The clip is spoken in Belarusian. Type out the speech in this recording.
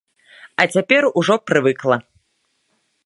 А цяпер ужо прывыкла.